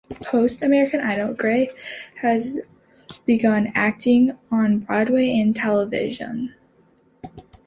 Post "American Idol", Gray has begun acting on Broadway and television.